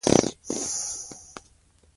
حکومت باید بودجه ځانګړې کړي.